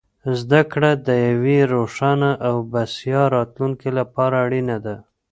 زده کړه د یوې روښانه او بسیا راتلونکې لپاره اړینه ده.